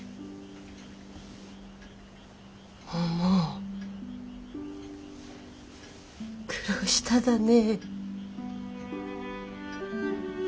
もも苦労しただね。